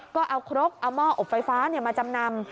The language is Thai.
ก็เอาครกเอาหม้ออบไฟฟ้ามาจำนำ